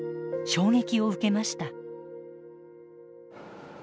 衝撃を受けました。